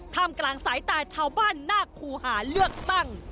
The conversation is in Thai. มกลางสายตาชาวบ้านนาคูหาเลือกตั้ง